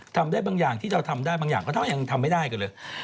ทำได้บางอย่างที่เราทำได้บางอย่างก็เท่ายังทำไม่ได้กันเลย